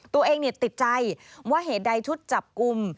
ตัวเองติดใจว่าเหตุใดชุดจับกลุ่ม